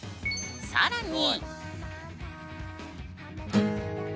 更に。